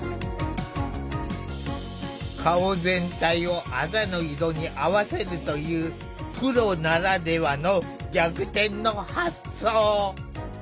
顔全体をあざの色に合わせるというプロならではの逆転の発想。